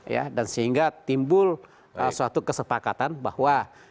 ya dan sehingga timbul suatu kesepakatan bahwa